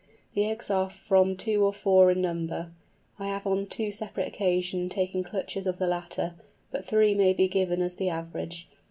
The eggs are from two to four in number—I have on two separate occasions taken clutches of the latter—but three may be given as the average.